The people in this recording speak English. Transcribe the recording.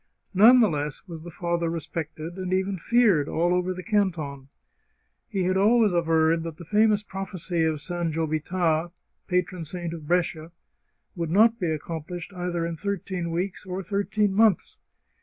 None the less was the father re spected, and even feared, all over the canton. He had always averred that the famous prophecy of San Giovita, patron saint of Brescia, would not be accomplished either in thirteen weeks or thirteen months.